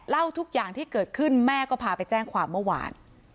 ทุกอย่างที่เกิดขึ้นแม่ก็พาไปแจ้งความเมื่อวาน